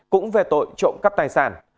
cũng về tội trộm cắp tài sản